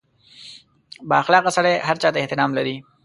• بااخلاقه سړی هر چا ته احترام لري.